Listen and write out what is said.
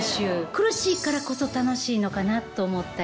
苦しいからこそ楽しいのかなと思ったりして。